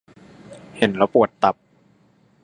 เห็น แล้วปวดตับ